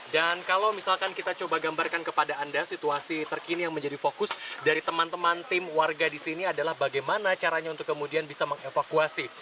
kalau misalkan kita coba gambarkan kepada anda situasi terkini yang menjadi fokus dari teman teman tim warga di sini adalah bagaimana caranya untuk kemudian bisa mengevakuasi